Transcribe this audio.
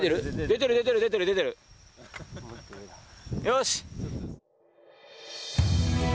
よし！